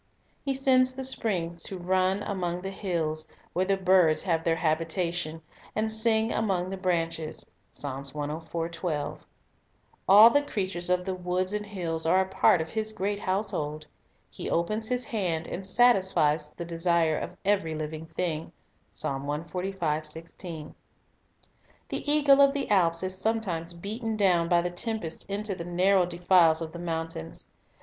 He sends the springs to run among the hills, where the birds have their habitation, and "sing among the branches." 1 All the creatures of the woods and hills are a part of His great household. He opens His hand, and satisfies the desire of every living thing. 1 The eagle of the Alps is sometimes beaten down by The Eagle _ tne tempest into the narrow denies of the mountains.